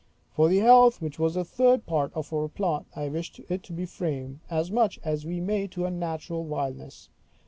For the heath, which was the third part of our plot, I wish it to be framed, as much as may be, to a natural wildness.